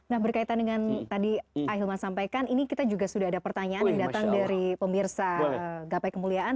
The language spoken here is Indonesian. nah berkaitan dengan tadi ahilman sampaikan ini kita juga sudah ada pertanyaan yang datang dari pemirsa gapai kemuliaan